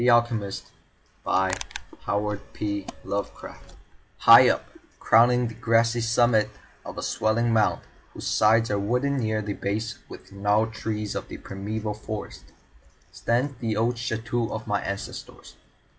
NOVEMBER, 1916 The Alchemist High up, crowning the grassy summit of a swelling mound whose sides are wooded near the base with the gnarled trees of the primeval forest, stands the old chateau of my ancestors.